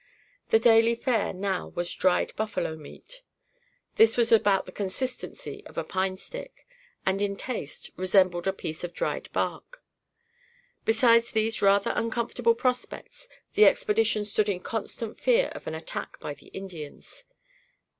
The daily fare now was dried buffalo meat. This was about the consistency of a pine stick; and, in taste, resembled a piece of dried bark. Besides these rather uncomfortable prospects, the expedition stood in constant fear of an attack by the Indians.